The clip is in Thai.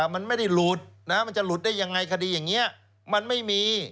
มันไม่ได้หลุดมันจะหลุดได้ยังไงคดีอย่างนี้มันไม่มี